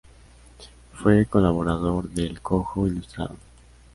Fue colaborador de El Cojo Ilustrado.